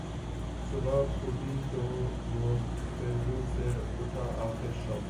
صبح پھوٹی تو وہ پہلو سے اٹھا آخر شب